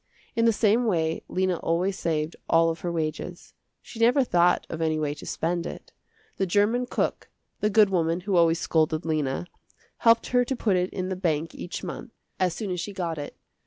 In the same way Lena always saved all of her wages. She never thought of any way to spend it. The german cook, the good woman who always scolded Lena, helped her to put it in the bank each month, as soon as she got it.